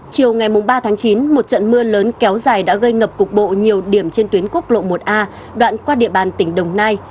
chiều ngày ba tháng chín một trận mưa lớn kéo dài đã gây ngập cục bộ nhiều điểm trên tuyến quốc lộ một a đoạn qua địa bàn tỉnh đồng nai